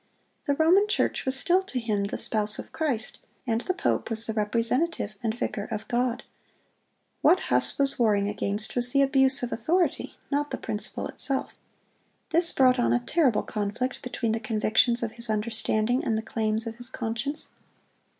The Roman Church was still to him the spouse of Christ, and the pope was the representative and vicar of God. What Huss was warring against was the abuse of authority, not the principle itself. This brought on a terrible conflict between the convictions of his understanding and the claims of his conscience.